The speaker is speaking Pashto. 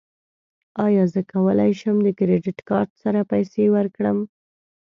ایا زه کولی شم د کریډیټ کارت سره پیسې ورکړم؟